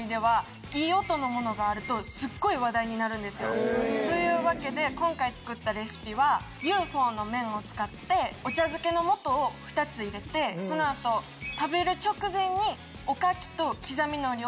トップバッターはというわけで今回作ったレシピはＵ．Ｆ．Ｏ．の麺を使ってお茶漬けの素を２つ入れて食べる直前に。